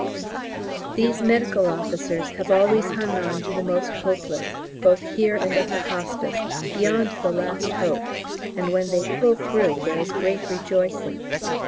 These Medical Officers have always hung on to the most hopeless, both here and at the Hospice, beyond the last hope, and when they pull through there is great rejoicing.